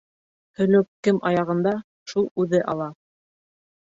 Һөлөк кем аяғында, шул үҙе ала.